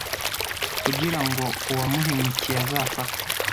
kugira ngo uwamuhemukiye azafatwe